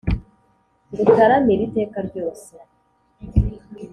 ngutaramire iteka ryose